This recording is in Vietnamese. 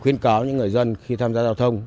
khuyên cáo những người dân khi tham gia giao thông